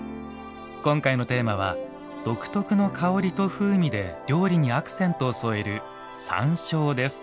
今回のテーマは独特の香りと風味で料理にアクセントを添える「山椒」です。